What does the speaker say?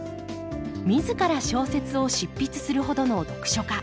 自ら小説を執筆するほどの読書家